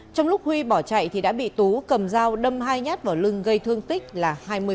trong lúc huy bỏ chạy thì đã bị tú cầm dao đâm hai nhát vào lưng gây thương tích là hai mươi